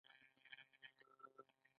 انسان د دې توکو په وسیله کار کوي.